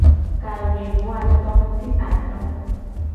Kawuivoato ti ato.